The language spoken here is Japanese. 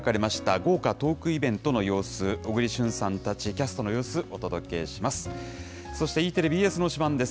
豪華トークイベントの様子、小栗旬さんたちキャストの様子、お届けします。